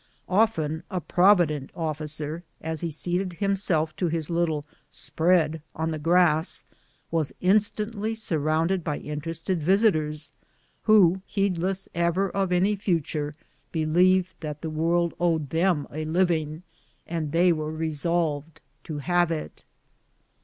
Often a prov ident officer, as he seated himself to his little " spread " on the grass, was instantly surrounded by interested visitors, who, heedless ever of any future, believed that the world owed them a living and they were resolved to have it.